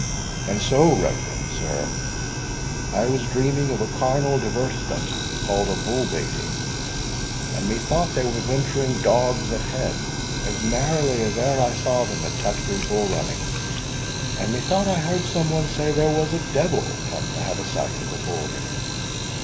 —And so, reverend sir, I was dreaming of a carnal divertisement called a bull baiting; and methought they were venturing dogs at head, as merrily as e'er I saw them at Tutbury bull running; and methought I heard some one say, there was the Devil come to have a sight of the bull ring.